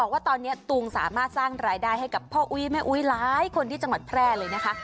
ว่าตอนนี้ตูมสามารถสร้างรายได้ให้กับพ่ออุ๊ยแม่อุ๊ยหลายคนที่จังหวัดแพร่เลยนะคะ